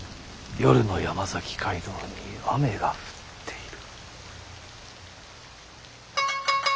夜の山崎街道に雨が降っている。